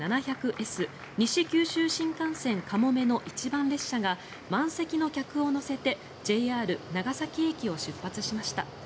西九州新幹線かもめの一番列車が満席の客を乗せてＪＲ長崎駅を出発しました。